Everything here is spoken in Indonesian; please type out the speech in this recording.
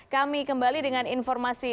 kami kembali dengan informasi